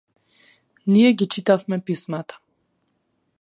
Ние ги читавме писмата.